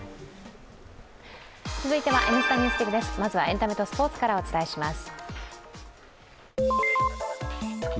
続いては、「Ｎスタ・ＮＥＷＳＤＩＧ」ですまずはエンタメとスポーツからお伝えします。